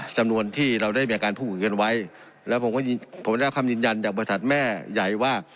จำนวนที่เราได้มีการพูดคุยกันไว้แล้วผมก็ผมได้รับคำยืนยันจากบริษัทแม่ใหญ่ว่า